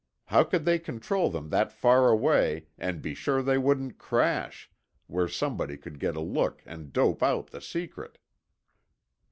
How could they control them that far away—and be sure they wouldn't crash, where somebody could get a look and dope out the secret?"